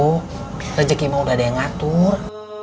rezeki mau udah ada yang ngatur